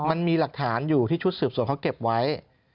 มันมีหลักฐานอยู่ที่ชุดสืบสวนเขาเก็บไว้